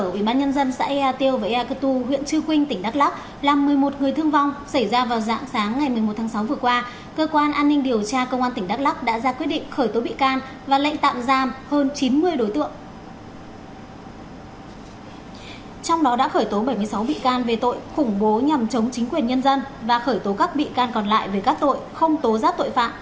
và khởi tố các bị can còn lại về các tội không tố giác tội phạm tội che giấu tội phạm